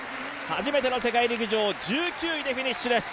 初めての世界陸上、１９位でフィニッシュです。